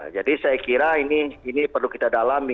jadi saya kira ini perlu kita dalami